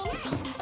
あ！